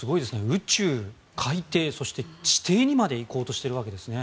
宇宙、海底、そして地底にまで行こうとしているわけですね。